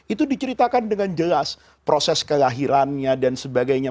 itu diceritakan dengan jelas proses kelahirannya dan sebagainya